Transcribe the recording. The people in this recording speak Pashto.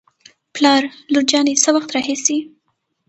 پلار : لور جانې له څه وخت راهېسې